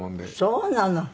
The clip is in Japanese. そうなの。